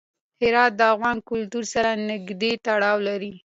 هرات د افغان کلتور سره نږدې تړاو لري.